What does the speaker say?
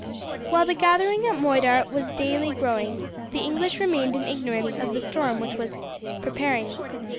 While the gathering at Moidart was daily growing, the English remained in ignorance of the storm which was preparing.